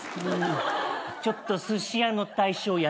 ちょっとすし屋の大将やらせて？